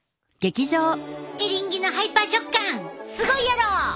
エリンギのハイパー食感すごいやろ！